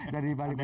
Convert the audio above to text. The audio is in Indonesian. dari bali ke jawa